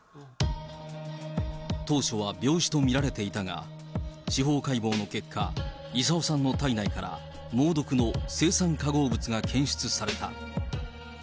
当初は病死と見られていたが、司法解剖の結果、勇夫さんの体内から猛毒の青酸化合物が検出された。